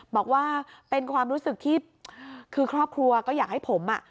บอกว่าเป็นความรู้สึกที่คือครอบครัวก็อยากให้ผมอ่ะ